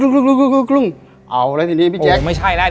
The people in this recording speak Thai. คึ่งคึ่งคึ่งคึ่งคึ่งคึ่งเอาแล้วทีนี้พี่แจ๊คโอ้ไม่ใช่แล้ว